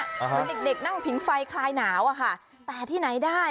เหมือนเด็กเด็กนั่งผิงไฟคลายหนาวอะค่ะแต่ที่ไหนได้